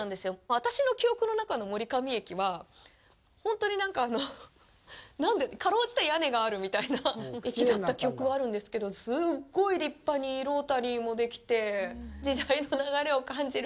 私の記憶の中の森上駅は、本当になんか辛うじて屋根があるみたいな駅だった記憶があるんですけどすっごい立派にロータリーもできて時代の流れを感じる。